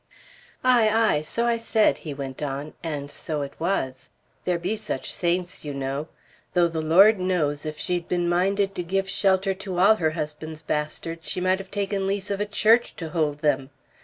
"Ay, ay. So I said," he went on; "and so it was. There be such saints, you know; though the Lord knows if she had been minded to give shelter to all her husband's bastards, she might have taken lease of a church to hold them.